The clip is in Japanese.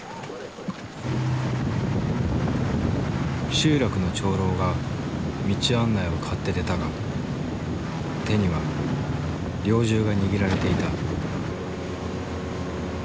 集落の長老が道案内を買って出たが手には猟銃が握られていた。